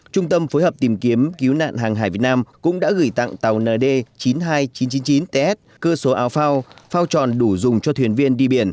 trung tâm phối hợp tìm kiếm cứu nạn hàng hải việt nam cũng đã gửi tặng tàu nd chín mươi hai nghìn chín trăm chín mươi chín ts cơ số áo phao phao tròn đủ dùng cho thuyền viên đi biển